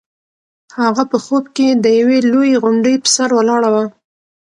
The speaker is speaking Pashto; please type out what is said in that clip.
هغه په خوب کې د یوې لویې غونډۍ په سر ولاړه وه.